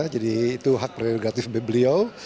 jadi itu hak prerogatif beliau